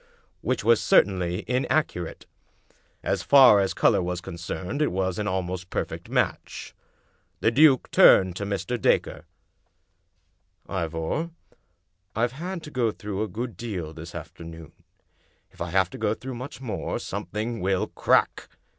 " Which was certahily inaccurate. As far as color was concerned it was an almost perfect match. The duke turned to Mr. Dacre. " Ivor, I've had to go through a good deal this after noon. If I have to go through much more, something will crack!"